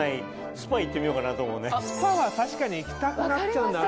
スパは確かに行きたくなっちゃうんだよ。